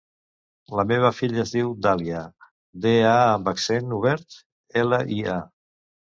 La meva filla es diu Dàlia: de, a amb accent obert, ela, i, a.